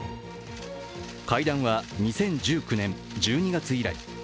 会談は２０１９年１２月以来。